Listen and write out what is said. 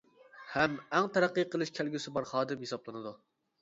ھەم ئەڭ تەرەققىي قىلىش كەلگۈسى بار خادىم ھېسابلىنىدۇ.